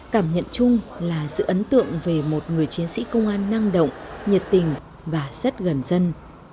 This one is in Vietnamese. cảm nhận chung là sự ấn tượng về một người chiến sĩ công an năng động nhiệt tình và rất gần dân